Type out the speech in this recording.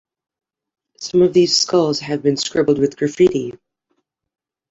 Some of these skulls have been scribbled with graffiti.